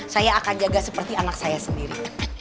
saya akan jaga seperti anak saya sendiri